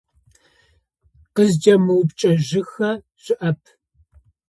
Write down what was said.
Къызкӏэмыупчӏэжьыхэ щыӏэп.